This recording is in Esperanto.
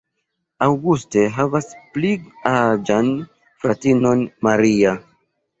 Auguste havas pli aĝan fratinon, Maria.